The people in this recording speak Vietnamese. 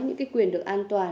những cái quyền được an toàn